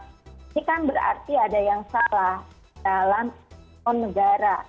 ini kan berarti ada yang salah dalam negara